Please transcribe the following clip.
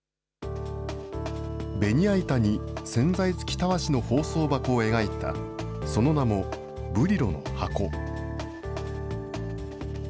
ベニヤ板に洗剤付きたわしの包装箱を描いた、その名も、ブリロの箱。